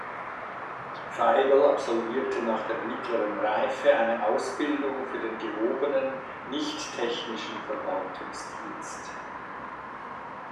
Veigel absolvierte nach der mittleren Reifen eine Ausbildung für den gehobenen, nichttechnischen Verwaltungsdienst.